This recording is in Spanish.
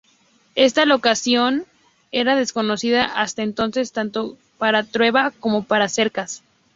Esta locación era desconocida hasta entonces tanto para Trueba como para Cercas.